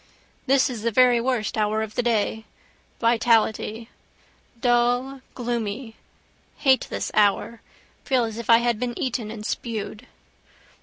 This is the very worst hour of the day. Vitality. Dull, gloomy: hate this hour. Feel as if I had been eaten and spewed.